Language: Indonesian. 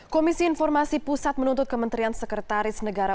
komisi informasi pusat menuntut kementerian sekretaris negara